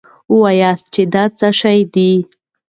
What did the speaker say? وواياست چې دا څه شی دی.